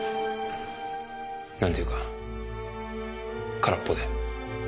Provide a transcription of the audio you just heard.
なんていうか空っぽで。